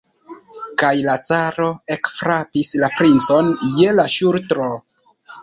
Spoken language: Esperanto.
Kaj la caro ekfrapis la princon je la ŝultro.